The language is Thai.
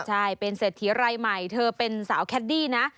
ใช่เป็นเศรษฐีรายใหม่เธอเป็นสาวแคดดี้นะ